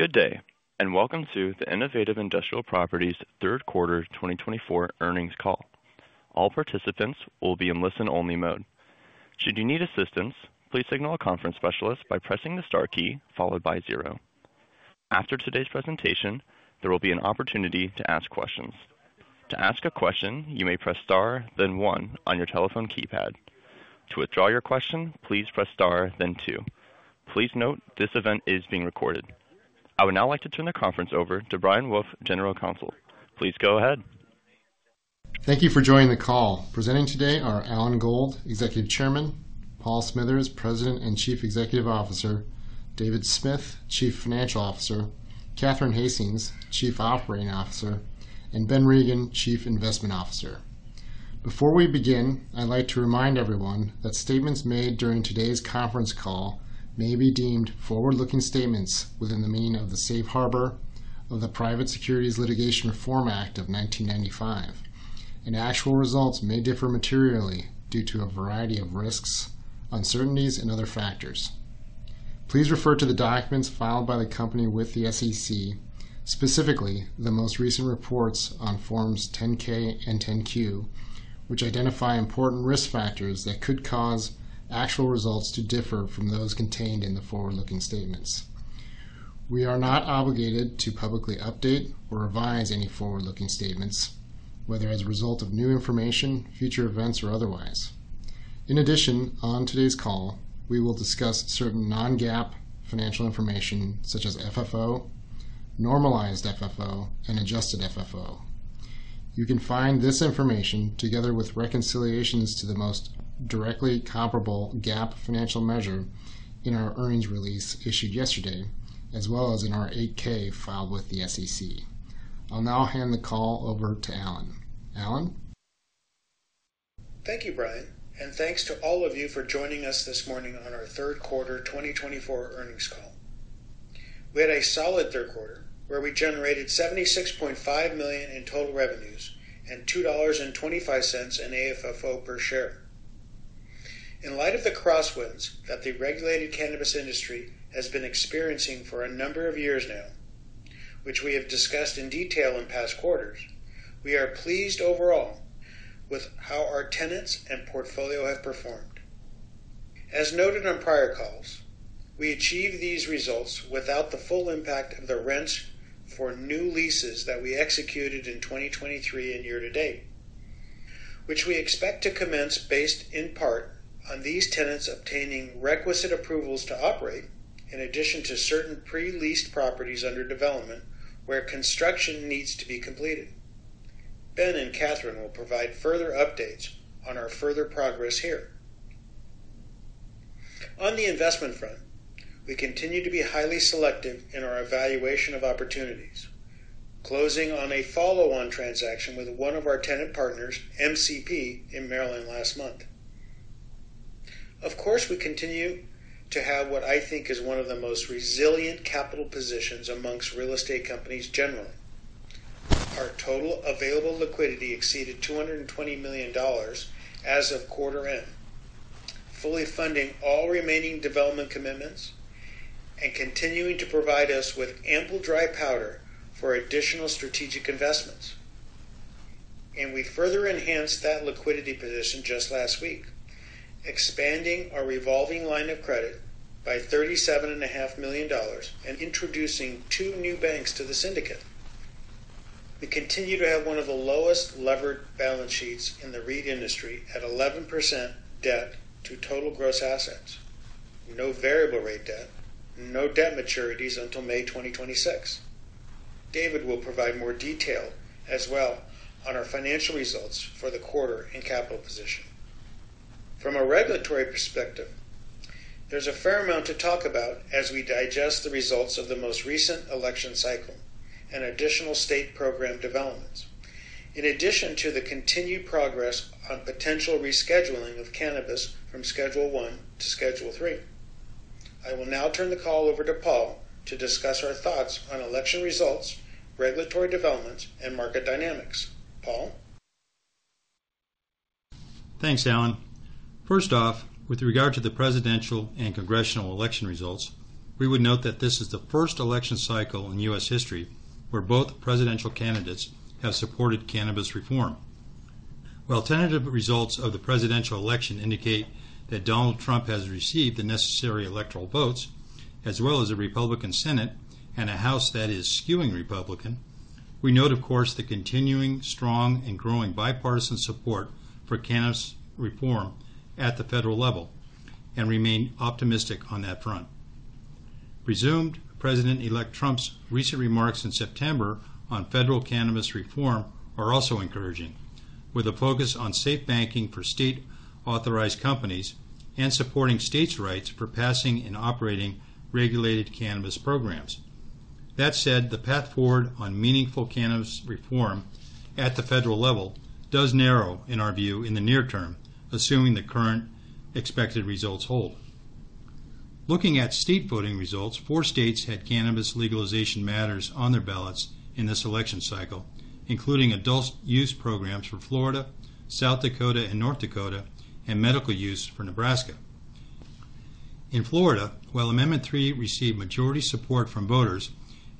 Good day, and welcome to the Innovative Industrial Properties third quarter 2024 earnings call. All participants will be in listen-only mode. Should you need assistance, please signal a conference specialist by pressing the star key followed by zero. After today's presentation, there will be an opportunity to ask questions. To ask a question, you may press star, then one, on your telephone keypad. To withdraw your question, please press star, then two. Please note this event is being recorded. I would now like to turn the conference over to Brian Wolfe, General Counsel. Please go ahead. Thank you for joining the call. Presenting today are Alan Gold, Executive Chairman, Paul Smithers, President and Chief Executive Officer, David Smith, Chief Financial Officer, Catherine Hastings, Chief Operating Officer, and Ben Regin, Chief Investment Officer. Before we begin, I'd like to remind everyone that statements made during today's conference call may be deemed forward-looking statements within the meaning of the Safe Harbor of the Private Securities Litigation Reform Act of 1995, and actual results may differ materially due to a variety of risks, uncertainties, and other factors. Please refer to the documents filed by the company with the SEC, specifically the most recent reports on Forms 10-K and 10-Q, which identify important risk factors that could cause actual results to differ from those contained in the forward-looking statements. We are not obligated to publicly update or revise any forward-looking statements, whether as a result of new information, future events, or otherwise. In addition, on today's call, we will discuss certain non-GAAP financial information such as FFO, normalized FFO, and adjusted FFO. You can find this information together with reconciliations to the most directly comparable GAAP financial measure in our earnings release issued yesterday, as well as in our 8-K filed with the SEC. I'll now hand the call over to Alan. Alan? Thank you, Brian, and thanks to all of you for joining us this morning on our third quarter 2024 earnings call. We had a solid third quarter where we generated $76.5 million in total revenues and $2.25 in AFFO per share. In light of the crosswinds that the regulated cannabis industry has been experiencing for a number of years now, which we have discussed in detail in past quarters, we are pleased overall with how our tenants and portfolio have performed. As noted on prior calls, we achieved these results without the full impact of the rents for new leases that we executed in 2023 and year to date, which we expect to commence based in part on these tenants obtaining requisite approvals to operate, in addition to certain pre-leased properties under development where construction needs to be completed. Ben and Catherine will provide further updates on our further progress here. On the investment front, we continue to be highly selective in our evaluation of opportunities, closing on a follow-on transaction with one of our tenant partners, MCP, in Maryland last month. Of course, we continue to have what I think is one of the most resilient capital positions amongst real estate companies generally. Our total available liquidity exceeded $220 million as of quarter end, fully funding all remaining development commitments and continuing to provide us with ample dry powder for additional strategic investments, and we further enhanced that liquidity position just last week, expanding our revolving line of credit by $37.5 million and introducing two new banks to the syndicate. We continue to have one of the lowest levered balance sheets in the REIT industry at 11% debt to total gross assets, no variable rate debt, no debt maturities until May 2026. David will provide more detail as well on our financial results for the quarter and capital position. From a regulatory perspective, there's a fair amount to talk about as we digest the results of the most recent election cycle and additional state program developments, in addition to the continued progress on potential rescheduling of cannabis from Schedule 1 to Schedule 3. I will now turn the call over to Paul to discuss our thoughts on election results, regulatory developments, and market dynamics. Paul? Thanks, Alan. First off, with regard to the presidential and congressional election results, we would note that this is the first election cycle in U.S. history where both presidential candidates have supported cannabis reform. While tentative results of the presidential election indicate that Donald Trump has received the necessary electoral votes, as well as a Republican Senate and a House that is skewing Republican, we note, of course, the continuing strong and growing bipartisan support for cannabis reform at the federal level and remain optimistic on that front. Presumed President-elect Trump's recent remarks in September on federal cannabis reform are also encouraging, with a focus on SAFE Banking for state-authorized companies and supporting states' rights for passing and operating regulated cannabis programs. That said, the path forward on meaningful cannabis reform at the federal level does narrow, in our view, in the near term, assuming the current expected results hold. Looking at state voting results, four states had cannabis legalization matters on their ballots in this election cycle, including adult use programs for Florida, South Dakota, and North Dakota, and medical use for Nebraska. In Florida, while Amendment 3 received majority support from voters,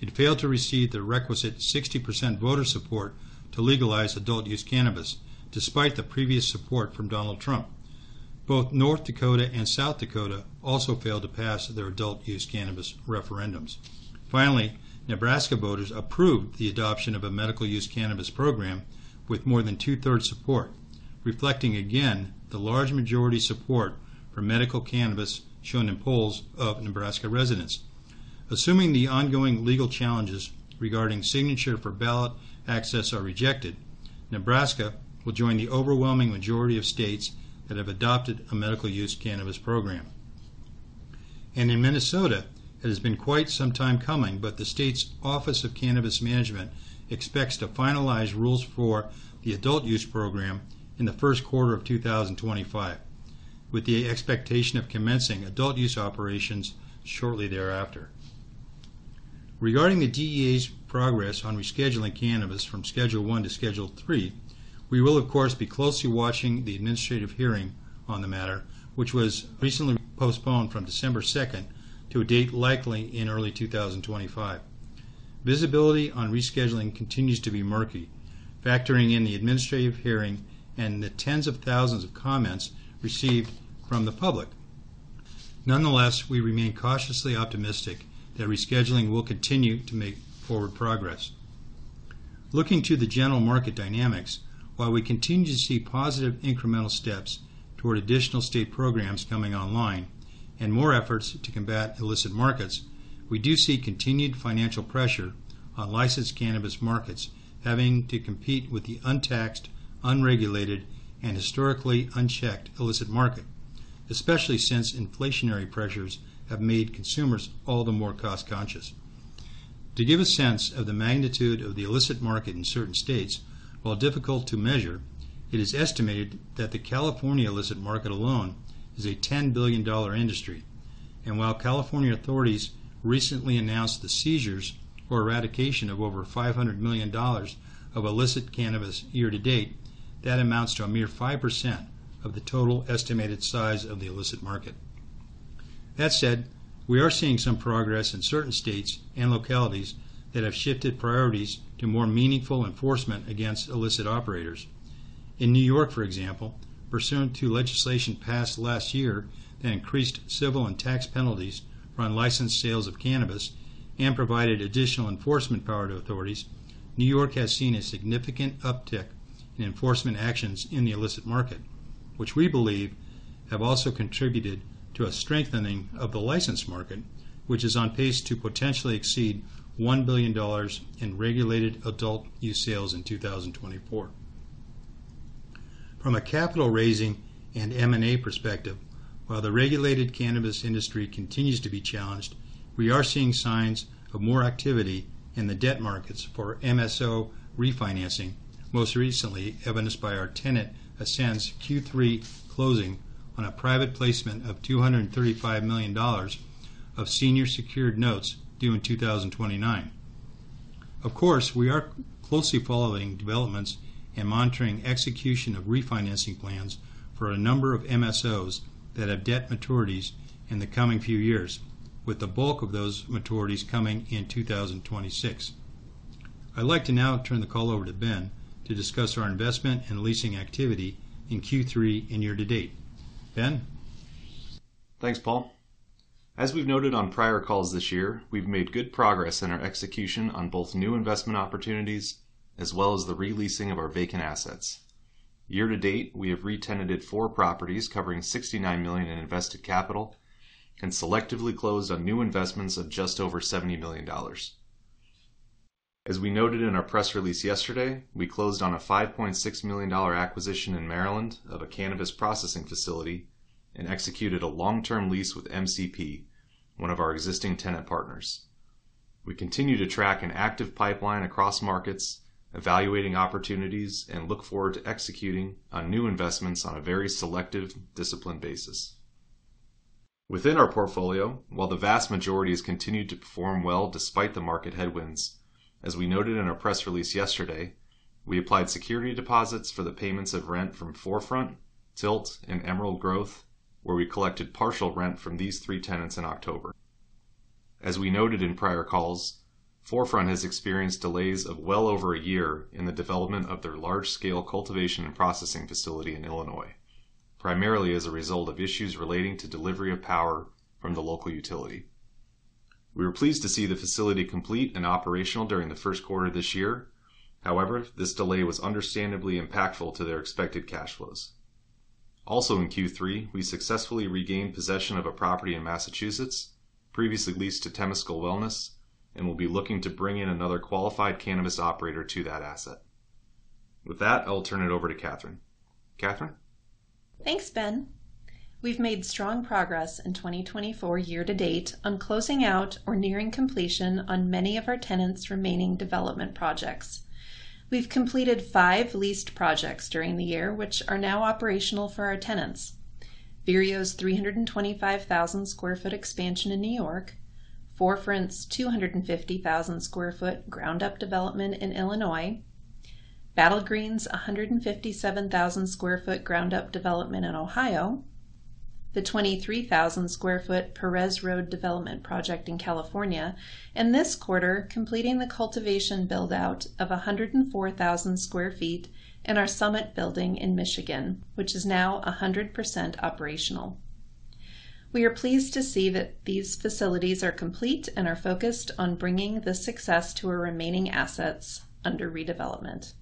it failed to receive the requisite 60% voter support to legalize adult use cannabis, despite the previous support from Donald Trump. Both North Dakota and South Dakota also failed to pass their adult use cannabis referendums. Finally, Nebraska voters approved the adoption of a medical use cannabis program with more than two-thirds support, reflecting again the large majority support for medical cannabis shown in polls of Nebraska residents. Assuming the ongoing legal challenges regarding signature for ballot access are rejected, Nebraska will join the overwhelming majority of states that have adopted a medical use cannabis program. In Minnesota, it has been quite some time coming, but the state's Office of Cannabis Management expects to finalize rules for the adult use program in the first quarter of 2025, with the expectation of commencing adult use operations shortly thereafter. Regarding the DEA's progress on rescheduling cannabis from Schedule 1 to Schedule 3, we will, of course, be closely watching the administrative hearing on the matter, which was recently postponed from December 2nd to a date likely in early 2025. Visibility on rescheduling continues to be murky, factoring in the administrative hearing and the tens of thousands of comments received from the public. Nonetheless, we remain cautiously optimistic that rescheduling will continue to make forward progress. Looking to the general market dynamics, while we continue to see positive incremental steps toward additional state programs coming online and more efforts to combat illicit markets, we do see continued financial pressure on licensed cannabis markets having to compete with the untaxed, unregulated, and historically unchecked illicit market, especially since inflationary pressures have made consumers all the more cost-conscious. To give a sense of the magnitude of the illicit market in certain states, while difficult to measure, it is estimated that the California illicit market alone is a $10 billion industry. While California authorities recently announced the seizures or eradication of over $500 million of illicit cannabis year to date, that amounts to a mere 5% of the total estimated size of the illicit market. That said, we are seeing some progress in certain states and localities that have shifted priorities to more meaningful enforcement against illicit operators. In New York, for example, pursuant to legislation passed last year that increased civil and tax penalties on licensed sales of cannabis and provided additional enforcement power to authorities, New York has seen a significant uptick in enforcement actions in the illicit market, which we believe have also contributed to a strengthening of the licensed market, which is on pace to potentially exceed $1 billion in regulated adult use sales in 2024. From a capital raising and M&A perspective, while the regulated cannabis industry continues to be challenged, we are seeing signs of more activity in the debt markets for MSO refinancing, most recently evidenced by our tenant Ascend's Q3 closing on a private placement of $235 million of senior secured notes due in 2029. Of course, we are closely following developments and monitoring execution of refinancing plans for a number of MSOs that have debt maturities in the coming few years, with the bulk of those maturities coming in 2026. I'd like to now turn the call over to Ben to discuss our investment and leasing activity in Q3 and year to date. Ben? Thanks, Paul. As we've noted on prior calls this year, we've made good progress in our execution on both new investment opportunities as well as the re-leasing of our vacant assets. Year to date, we have re-tenanted four properties covering $69 million in invested capital and selectively closed on new investments of just over $70 million. As we noted in our press release yesterday, we closed on a $5.6 million acquisition in Maryland of a cannabis processing facility and executed a long-term lease with MCP, one of our existing tenant partners. We continue to track an active pipeline across markets, evaluating opportunities, and look forward to executing on new investments on a very selective discipline basis. Within our portfolio, while the vast majority has continued to perform well despite the market headwinds, as we noted in our press release yesterday, we applied security deposits for the payments of rent from 4Front, Tilt, and Emerald Growth, where we collected partial rent from these three tenants in October. As we noted in prior calls, 4Front has experienced delays of well over a year in the development of their large-scale cultivation and processing facility in Illinois, primarily as a result of issues relating to delivery of power from the local utility. We were pleased to see the facility complete and operational during the first quarter of this year. However, this delay was understandably impactful to their expected cash flows. Also in Q3, we successfully regained possession of a property in Massachusetts, previously leased to Temescal Wellness, and will be looking to bring in another qualified cannabis operator to that asset. With that, I'll turn it over to Catherine. Catherine? Thanks, Ben. We've made strong progress in 2024 year to date on closing out or nearing completion on many of our tenants' remaining development projects. We've completed five leased projects during the year, which are now operational for our tenants: Vireo's 325,000 sq ft expansion in New York, 4Front's 250,000 sq ft ground-up development in Illinois, Battle Green's 157,000 sq ft ground-up development in Ohio, the 23,000 sq ft Perez Road development project in California, and this quarter completing the cultivation build-out of 104,000 sq ft in our Summit building in Michigan, which is now 100% operational. We are pleased to see that these facilities are complete and are focused on bringing the success to our remaining assets under redevelopment.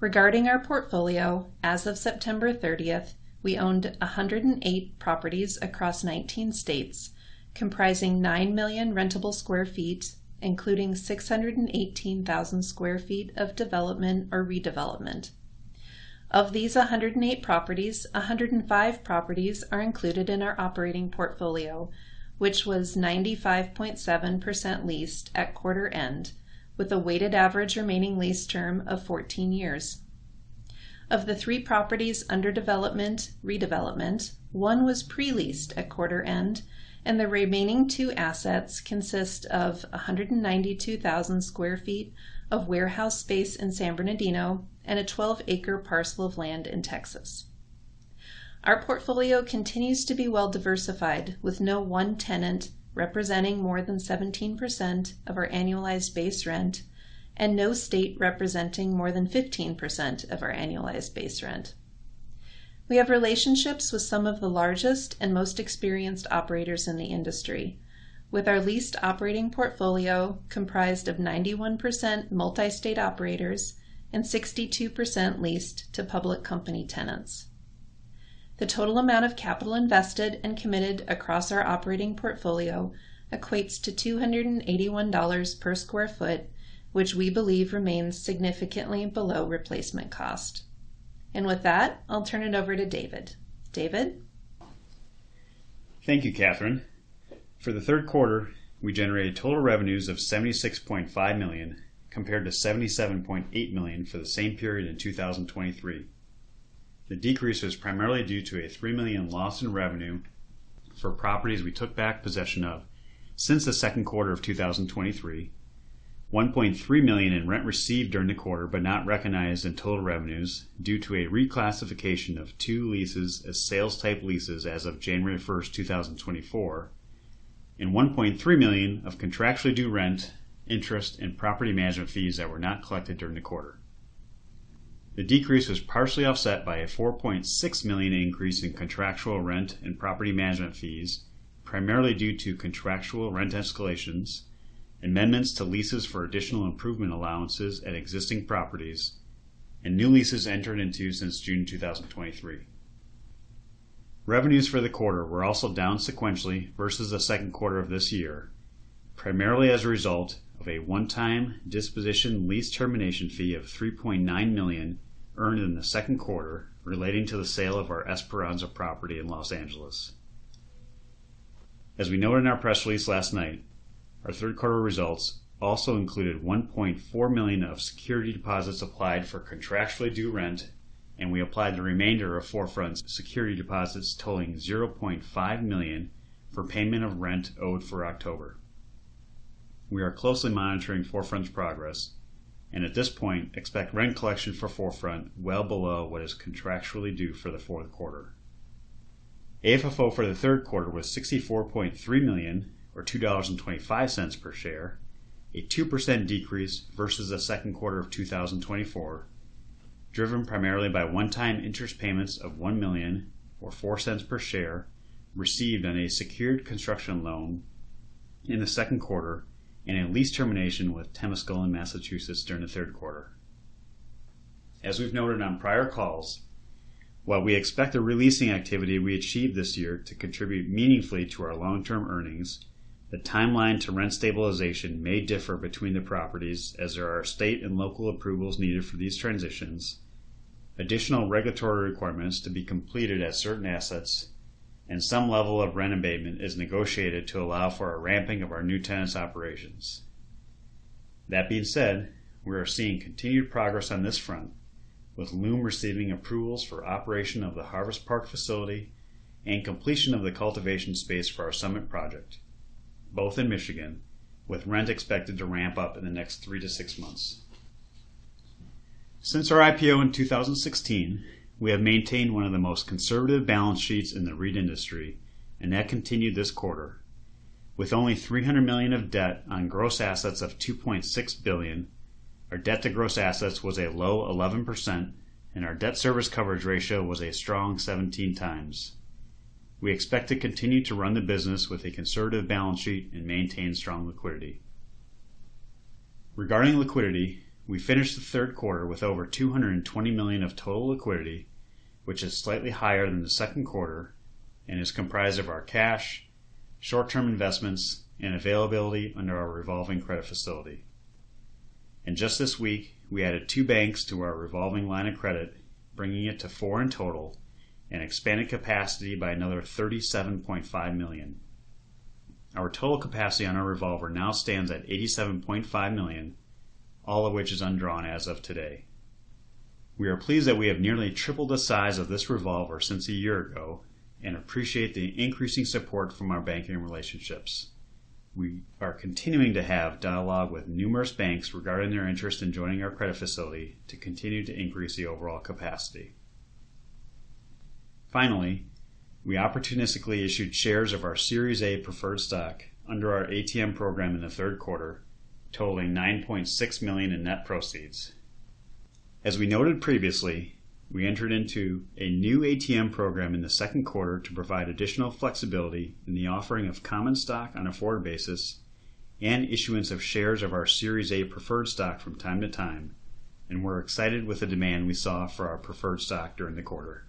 Regarding our portfolio, as of September 30th, we owned 108 properties across 19 states, comprising 9 million rentable sq ft, including 618,000 sq ft of development or redevelopment. Of these 108 properties, 105 properties are included in our operating portfolio, which was 95.7% leased at quarter end, with a weighted average remaining lease term of 14 years. Of the three properties under development/redevelopment, one was pre-leased at quarter end, and the remaining two assets consist of 192,000 sq ft of warehouse space in San Bernardino and a 12-acre parcel of land in Texas. Our portfolio continues to be well-diversified, with no one tenant representing more than 17% of our annualized base rent and no state representing more than 15% of our annualized base rent. We have relationships with some of the largest and most experienced operators in the industry, with our leased operating portfolio comprised of 91% multi-state operators and 62% leased to public company tenants. The total amount of capital invested and committed across our operating portfolio equates to $281 per sq ft, which we believe remains significantly below replacement cost. And with that, I'll turn it over to David. David? Thank you, Catherine. For the third quarter, we generated total revenues of $76.5 million compared to $77.8 million for the same period in 2023. The decrease was primarily due to a $3 million loss in revenue for properties we took back possession of since the second quarter of 2023, $1.3 million in rent received during the quarter but not recognized in total revenues due to a reclassification of two leases as sales-type leases as of January 1st, 2024, and $1.3 million of contractually due rent, interest, and property management fees that were not collected during the quarter. The decrease was partially offset by a $4.6 million increase in contractual rent and property management fees, primarily due to contractual rent escalations, amendments to leases for additional improvement allowances at existing properties, and new leases entered into since June 2023. Revenues for the quarter were also down sequentially versus the second quarter of this year, primarily as a result of a one-time disposition lease termination fee of $3.9 million earned in the second quarter relating to the sale of our Esperanza property in Los Angeles. As we noted in our press release last night, our third quarter results also included $1.4 million of security deposits applied for contractually due rent, and we applied the remainder of 4Front's security deposits totaling $0.5 million for payment of rent owed for October. We are closely monitoring 4Front's progress, and at this point, expect rent collection for 4Front well below what is contractually due for the fourth quarter. AFFO for the third quarter was $64.3 million, or $2.25 per share, a 2% decrease versus the second quarter of 2024, driven primarily by one-time interest payments of $1 million, or $0.04 per share, received on a secured construction loan in the second quarter and a lease termination with Temescal in Massachusetts during the third quarter. As we've noted on prior calls, while we expect the releasing activity we achieved this year to contribute meaningfully to our long-term earnings, the timeline to rent stabilization may differ between the properties as there are state and local approvals needed for these transitions, additional regulatory requirements to be completed at certain assets, and some level of rent abatement is negotiated to allow for a ramping of our new tenants' operations. That being said, we are seeing continued progress on this front, with Lume receiving approvals for operation of the Harvest Park facility and completion of the cultivation space for our Summit project, both in Michigan, with rent expected to ramp up in the next three to six months. Since our IPO in 2016, we have maintained one of the most conservative balance sheets in the REIT industry, and that continued this quarter. With only $300 million of debt on gross assets of $2.6 billion, our debt to gross assets was a low 11%, and our debt service coverage ratio was a strong 17 times. We expect to continue to run the business with a conservative balance sheet and maintain strong liquidity. Regarding liquidity, we finished the third quarter with over $220 million of total liquidity, which is slightly higher than the second quarter and is comprised of our cash, short-term investments, and availability under our revolving credit facility. And just this week, we added two banks to our revolving line of credit, bringing it to four in total and expanding capacity by another $37.5 million. Our total capacity on our revolver now stands at $87.5 million, all of which is undrawn as of today. We are pleased that we have nearly tripled the size of this revolver since a year ago and appreciate the increasing support from our banking relationships. We are continuing to have dialogue with numerous banks regarding their interest in joining our credit facility to continue to increase the overall capacity. Finally, we opportunistically issued shares of our Series A preferred stock under our ATM program in the third quarter, totaling $9.6 million in net proceeds. As we noted previously, we entered into a new ATM program in the second quarter to provide additional flexibility in the offering of common stock on a forward basis and issuance of shares of our Series A preferred stock from time to time, and we're excited with the demand we saw for our preferred stock during the quarter.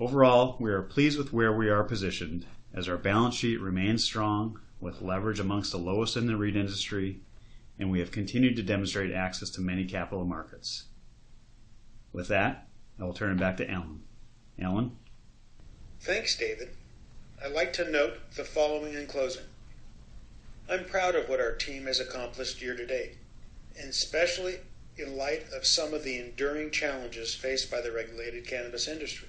Overall, we are pleased with where we are positioned as our balance sheet remains strong with leverage among the lowest in the REIT industry, and we have continued to demonstrate access to many capital markets. With that, I will turn it back to Alan. Alan? Thanks, David. I'd like to note the following in closing. I'm proud of what our team has accomplished year to date, and especially in light of some of the enduring challenges faced by the regulated cannabis industry.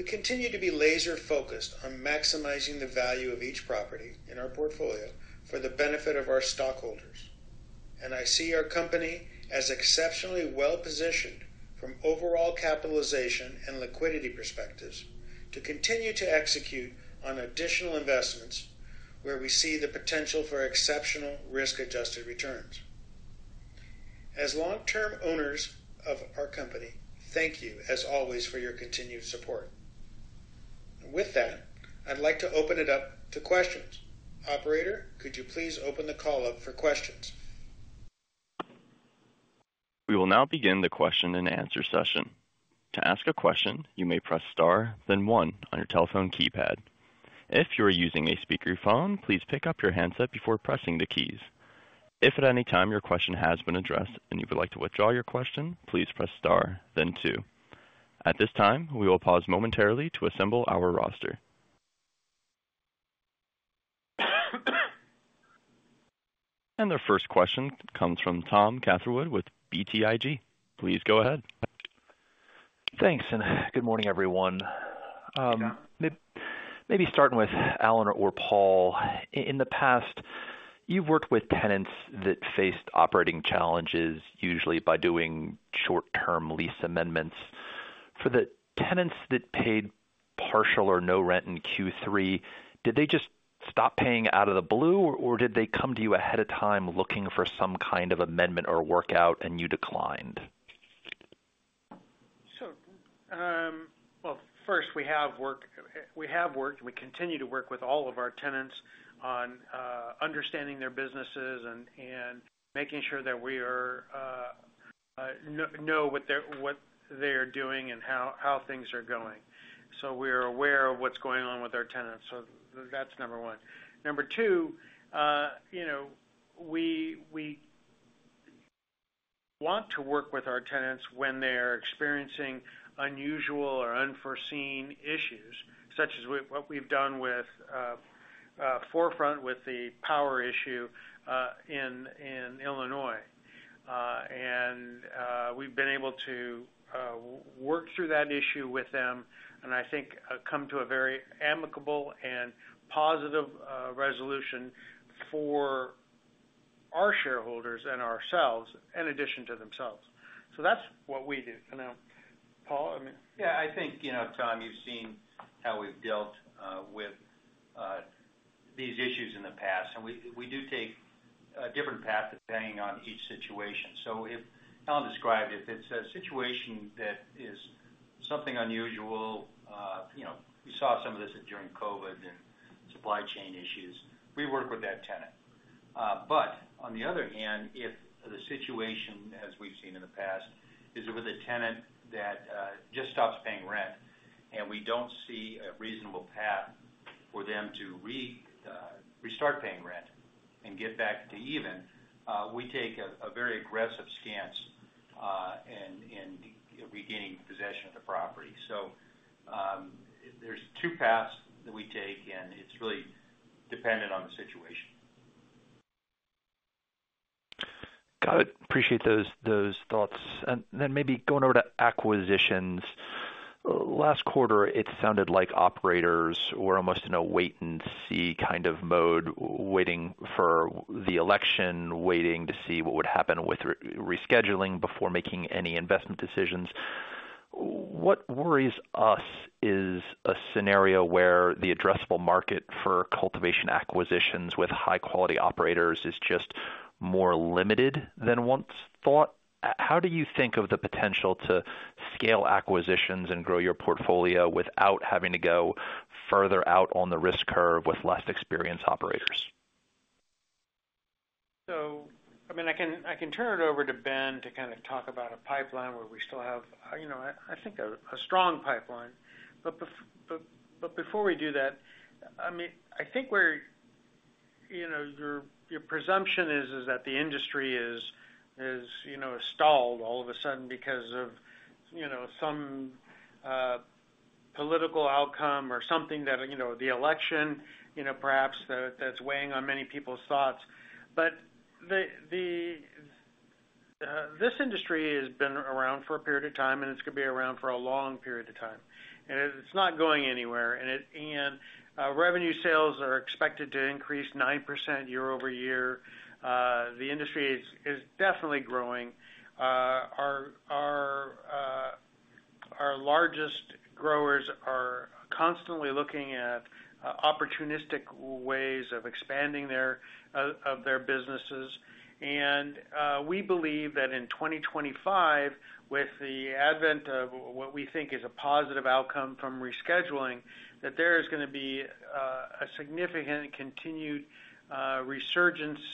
We continue to be laser-focused on maximizing the value of each property in our portfolio for the benefit of our stockholders, and I see our company as exceptionally well-positioned from overall capitalization and liquidity perspectives to continue to execute on additional investments where we see the potential for exceptional risk-adjusted returns. As long-term owners of our company, thank you as always for your continued support. With that, I'd like to open it up to questions. Operator, could you please open the call up for questions? We will now begin the question-and-answer session. To ask a question, you may press Star, then one on your telephone keypad. If you are using a speakerphone, please pick up your handset before pressing the keys. If at any time your question has been addressed and you would like to withdraw your question, please press Star, then two. At this time, we will pause momentarily to assemble our roster. And our first question comes from Tom Catherwood with BTIG. Please go ahead. Thanks, and good morning, everyone. Maybe starting with Alan or Paul, in the past, you've worked with tenants that faced operating challenges, usually by doing short-term lease amendments. For the tenants that paid partial or no rent in Q3, did they just stop paying out of the blue, or did they come to you ahead of time looking for some kind of amendment or workout, and you declined? Sure. Well, first we have worked. We continue to work with all of our tenants on understanding their businesses and making sure that we know what they are doing and how things are going. So we are aware of what's going on with our tenants. So that's number one. Number two, we want to work with our tenants when they are experiencing unusual or unforeseen issues, such as what we've done with 4Front with the power issue in Illinois. And we've been able to work through that issue with them, and I think come to a very amicable and positive resolution for our shareholders and ourselves in addition to themselves. So that's what we do. And now, Paul, I mean. Yeah. I think, Tom, you've seen how we've dealt with these issues in the past, and we do take a different path depending on each situation. So if Alan described it, if it's a situation that is something unusual, we saw some of this during COVID and supply chain issues, we work with that tenant. But on the other hand, if the situation, as we've seen in the past, is with a tenant that just stops paying rent and we don't see a reasonable path for them to restart paying rent and get back to even, we take a very aggressive stance in regaining possession of the property. So there's two paths that we take, and it's really dependent on the situation. Got it. Appreciate those thoughts. And then maybe going over to acquisitions. Last quarter, it sounded like operators were almost in a wait-and-see kind of mode, waiting for the election, waiting to see what would happen with rescheduling before making any investment decisions. What worries us is a scenario where the addressable market for cultivation acquisitions with high-quality operators is just more limited than once thought. How do you think of the potential to scale acquisitions and grow your portfolio without having to go further out on the risk curve with less experienced operators? So, I mean, I can turn it over to Ben to kind of talk about a pipeline where we still have, I think, a strong pipeline. But before we do that, I mean, I think your presumption is that the industry has stalled all of a sudden because of some political outcome or something that the election, perhaps, that's weighing on many people's thoughts. But this industry has been around for a period of time, and it's going to be around for a long period of time. And it's not going anywhere. And revenue sales are expected to increase 9% year over year. The industry is definitely growing. Our largest growers are constantly looking at opportunistic ways of expanding their businesses. We believe that in 2025, with the advent of what we think is a positive outcome from rescheduling, that there is going to be a significant continued resurgence of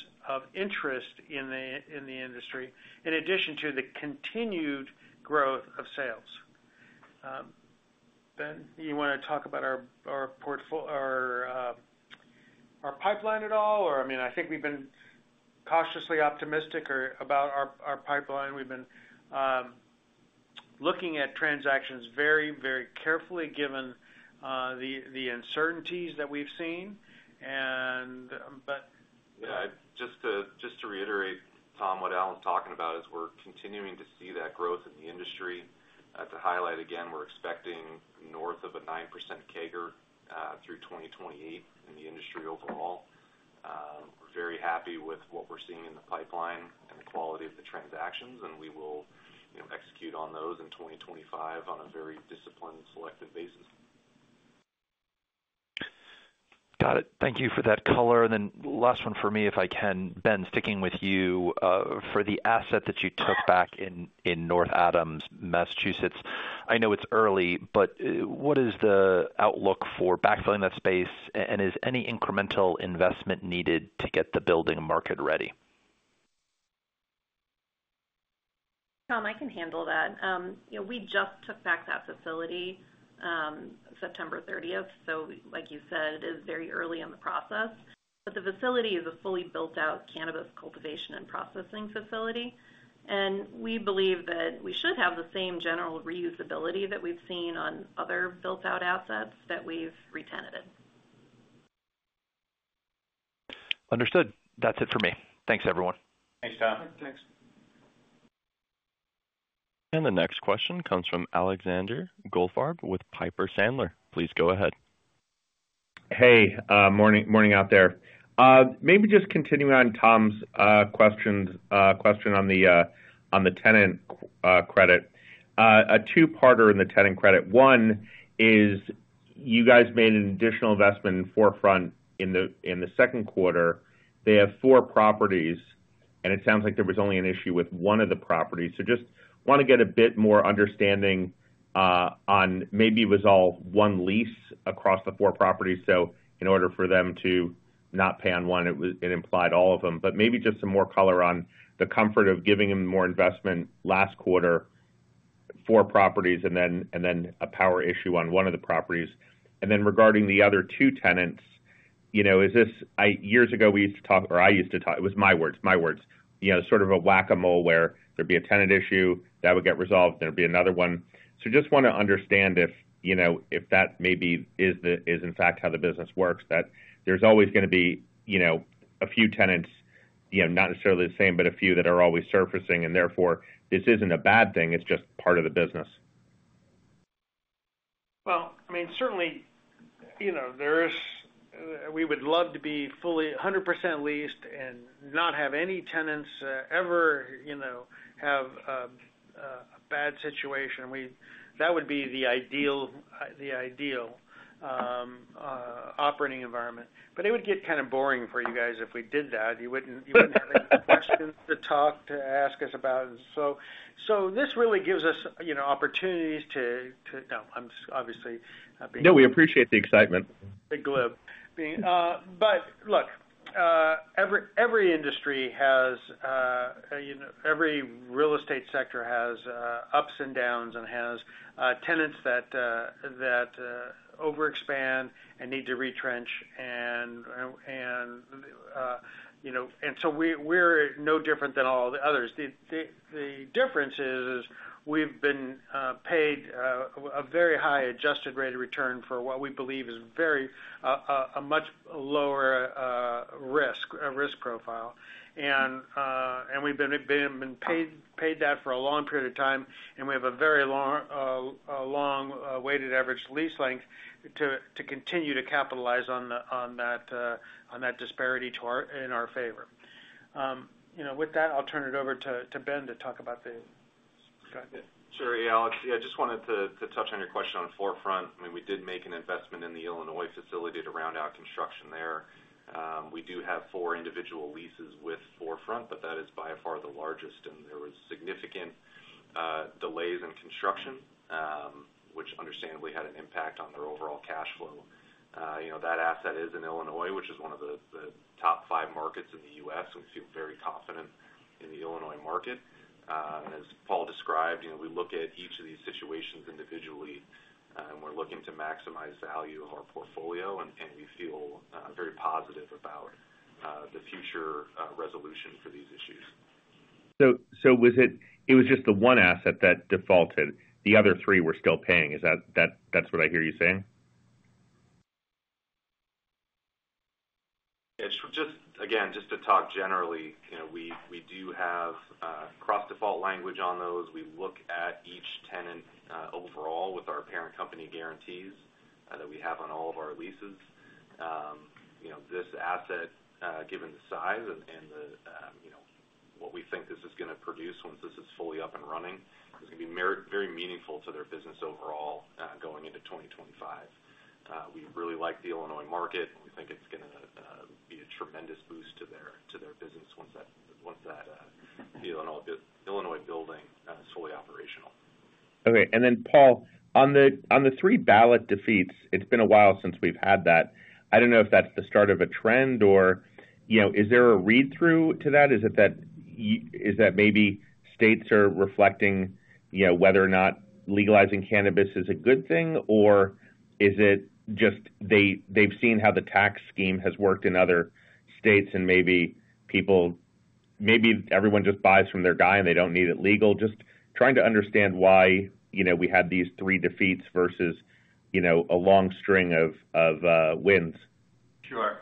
interest in the industry, in addition to the continued growth of sales. Ben, do you want to talk about our pipeline at all? Or, I mean, I think we've been cautiously optimistic about our pipeline. We've been looking at transactions very, very carefully given the uncertainties that we've seen. But. Yeah. Just to reiterate, Tom, what Alan's talking about is we're continuing to see that growth in the industry. To highlight again, we're expecting north of a 9% CAGR through 2028 in the industry overall. We're very happy with what we're seeing in the pipeline and the quality of the transactions, and we will execute on those in 2025 on a very disciplined, selective basis. Got it. Thank you for that color. And then last one for me, if I can, Ben, sticking with you, for the asset that you took back in North Adams, Massachusetts. I know it's early, but what is the outlook for backfilling that space, and is any incremental investment needed to get the building market ready? Tom, I can handle that. We just took back that facility September 30th, so, like you said, it is very early in the process, but the facility is a fully built-out cannabis cultivation and processing facility, and we believe that we should have the same general reusability that we've seen on other built-out assets that we've retented. Understood. That's it for me. Thanks, everyone. Thanks, Tom. Thanks. And the next question comes from Alexander Goldfarb with Piper Sandler. Please go ahead. Hey. Morning out there. Maybe just continuing on Tom's question on the tenant credit. A two-parter in the tenant credit. One is you guys made an additional investment in 4Front in the second quarter. They have four properties, and it sounds like there was only an issue with one of the properties. So just want to get a bit more understanding on maybe it was all one lease across the four properties. So in order for them to not pay on one, it implied all of them. But maybe just some more color on the comfort of giving them more investment last quarter, four properties, and then a power issue on one of the properties. And then regarding the other two tenants, is this years ago, we used to talk or I used to talk it was my words, my words. Sort of a whack-a-mole where there'd be a tenant issue, that would get resolved, and there'd be another one. So just want to understand if that maybe is, in fact, how the business works, that there's always going to be a few tenants, not necessarily the same, but a few that are always surfacing, and therefore, this isn't a bad thing. It's just part of the business. I mean, certainly, we would love to be fully 100% leased and not have any tenants ever have a bad situation. That would be the ideal operating environment. It would get kind of boring for you guys if we did that. You wouldn't have any questions to ask us about. This really gives us opportunities. No, I'm obviously not being- No, we appreciate the excitement. But look, every industry has every real estate sector has ups and downs and has tenants that overexpand and need to retrench. And so we're no different than all the others. The difference is we've been paid a very high adjusted rate of return for what we believe is a much lower risk profile. And we've been paid that for a long period of time, and we have a very long weighted average lease length to continue to capitalize on that disparity in our favor. With that, I'll turn it over to Ben to talk about the Sure, hey, Alex. Yeah, I just wanted to touch on your question on 4Front. I mean, we did make an investment in the Illinois facility to round out construction there. We do have four individual leases with 4Front, but that is by far the largest, and there were significant delays in construction, which understandably had an impact on their overall cash flow. That asset is in Illinois, which is one of the top five markets in the U.S. We feel very confident in the Illinois market. As Paul described, we look at each of these situations individually, and we're looking to maximize the value of our portfolio, and we feel very positive about the future resolution for these issues. So it was just the one asset that defaulted. The other three were still paying. Is that what I hear you saying? Yeah. Again, just to talk generally, we do have cross-default language on those. We look at each tenant overall with our parent company guarantees that we have on all of our leases. This asset, given the size and what we think this is going to produce once this is fully up and running, is going to be very meaningful to their business overall going into 2025. We really like the Illinois market. We think it's going to be a tremendous boost to their business once that Illinois building is fully operational. Okay. And then, Paul, on the three ballot defeats, it's been a while since we've had that. I don't know if that's the start of a trend, or is there a read-through to that? Is it that maybe states are reflecting whether or not legalizing cannabis is a good thing, or is it just they've seen how the tax scheme has worked in other states, and maybe everyone just buys from their guy and they don't need it legal? Just trying to understand why we had these three defeats versus a long string of wins. Sure.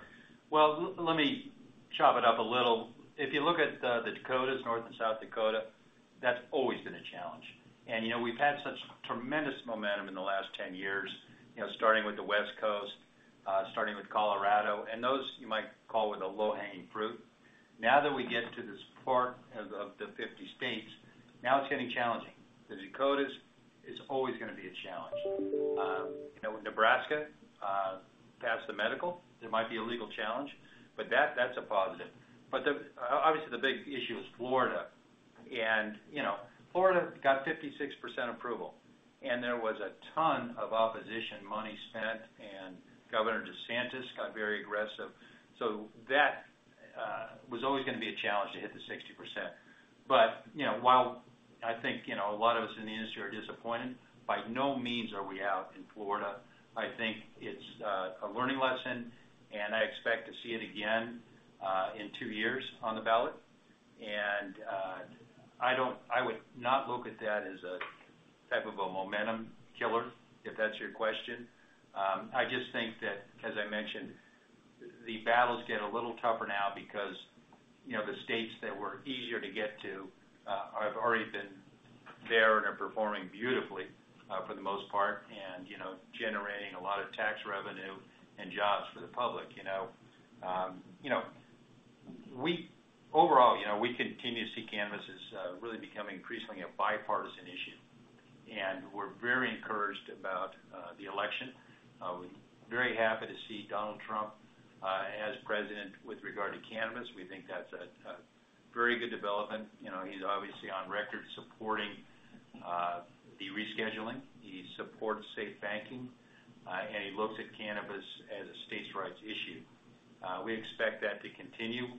Well, let me chop it up a little. If you look at the Dakotas, North and South Dakota, that's always been a challenge. And we've had such tremendous momentum in the last 10 years, starting with the West Coast, starting with Colorado, and those you might call with a low-hanging fruit. Now that we get to this part of the 50 states, now it's getting challenging. The Dakotas is always going to be a challenge. Nebraska, past the medical, there might be a legal challenge, but that's a positive. But obviously, the big issue is Florida. And Florida got 56% approval, and there was a ton of opposition money spent, and Governor DeSantis got very aggressive. So that was always going to be a challenge to hit the 60%. But while I think a lot of us in the industry are disappointed, by no means are we out in Florida. I think it's a learning lesson, and I expect to see it again in two years on the ballot. And I would not look at that as a type of a momentum killer, if that's your question. I just think that, as I mentioned, the battles get a little tougher now because the states that were easier to get to have already been there and are performing beautifully for the most part and generating a lot of tax revenue and jobs for the public. Overall, we continue to see cannabis as really becoming increasingly a bipartisan issue. And we're very encouraged about the election. We're very happy to see Donald Trump as president with regard to cannabis. We think that's a very good development. He's obviously on record supporting the rescheduling. He supports SAFE Banking, and he looks at cannabis as a states' rights issue. We expect that to continue.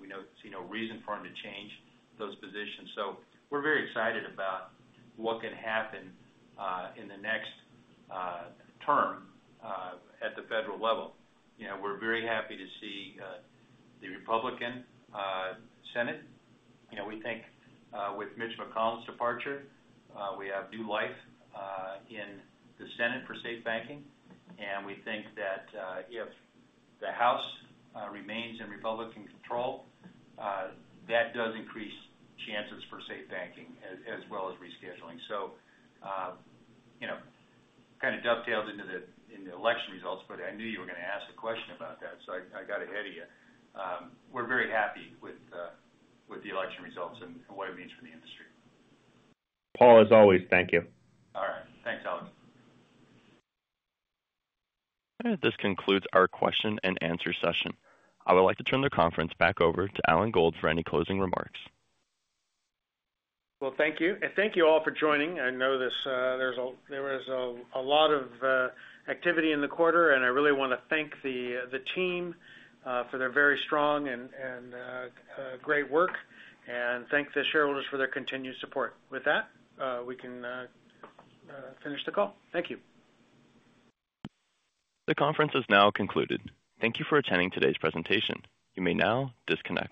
We don't see no reason for him to change those positions. So we're very excited about what can happen in the next term at the federal level. We're very happy to see the Republican Senate. We think with Mitch McConnell's departure, we have new life in the Senate for SAFE Banking, and we think that if the House remains in Republican control, that does increase chances for SAFE Banking as well as rescheduling. So kind of dovetailed into the election results, but I knew you were going to ask a question about that, so I got ahead of you. We're very happy with the election results and what it means for the industry. Paul, as always, thank you. All right. Thanks, Alex. This concludes our question and answer session. I would like to turn the conference back over to Alan Gold for any closing remarks. Well, thank you. And thank you all for joining. I know there was a lot of activity in the quarter, and I really want to thank the team for their very strong and great work and thank the shareholders for their continued support. With that, we can finish the call. Thank you. The conference is now concluded. Thank you for attending today's presentation. You may now disconnect.